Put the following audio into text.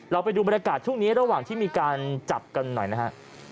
ไปดูบรรยากาศช่วงนี้ระหว่างที่มีการจับกันหน่อยนะฮะ